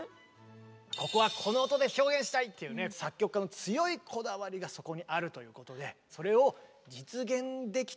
ここはこの音で表現したい！というね作曲家の強いこだわりがそこにあるということでそれを実現できている。